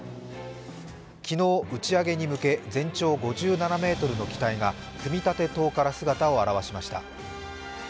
昨日、打ち上げに向け全長５７ｍの機体が組み立て棟から姿を現しました。